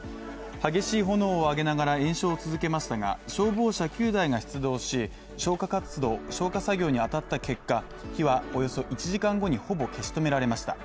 激しい炎を上げながら延焼を続けましたが消防車９台が出動し消火作業に当たった結果、火はおよそ１時間後にほぼ消し止められました。